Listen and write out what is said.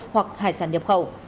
hoặc hải sản nhập khẩu